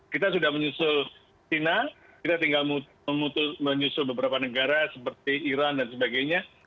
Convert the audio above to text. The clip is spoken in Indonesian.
kita sudah menyusul china kita tinggal menyusul beberapa negara seperti iran dan sebagainya